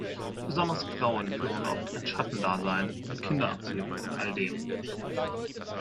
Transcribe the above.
Besonders Frauen führen oft ein Schattendasein, mit Kindererziehung und all dem.